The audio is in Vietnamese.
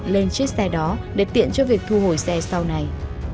lên chiếc xe đó để tiện cho việc thu hồi xe sau này